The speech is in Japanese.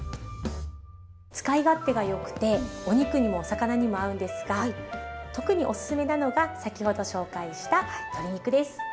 使い勝手がよくてお肉にもお魚にも合うんですが特におすすめなのが先ほど紹介した鶏肉です。